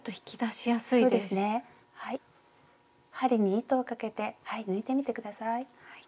針に糸をかけて抜いてみて下さい。